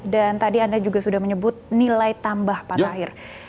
dan tadi anda juga sudah menyebut nilai tambah pak tahir